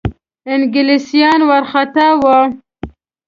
انګلیسیان وارخطا وه.